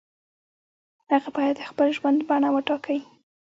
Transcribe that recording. هغه باید د خپل ژوند بڼه وټاکي.